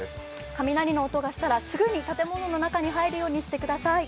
雷の音がしたら、すぐに建物の中に入るようにしてください。